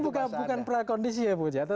mungkin bukan prakondisi ya bu jato